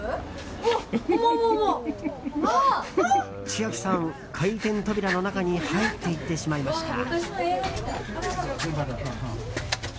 千秋さん、回転扉の中に入っていってしまいました。